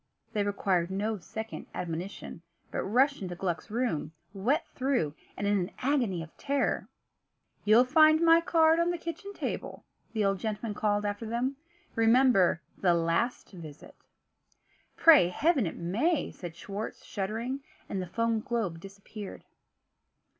They required no second admonition, but rushed into Gluck's room, wet through, and in an agony of terror. "You'll find my card on the kitchen table," the old gentleman called after them. "Remember the last visit." "Pray Heaven it may!" said Schwartz, shuddering. And the foam globe disappeared.